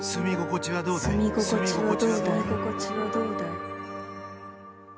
住み心地はどうだい？